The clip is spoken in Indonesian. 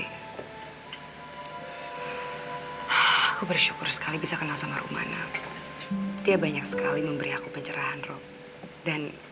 hai aku bersyukur sekali bisa kenal sama rumahnya dia banyak sekali memberi aku pencerahan rob dan